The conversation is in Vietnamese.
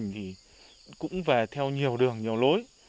nam mình cũng về theo nhiều đường nhiều lối